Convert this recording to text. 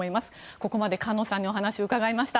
ここまで菅野さんにお話を伺いました。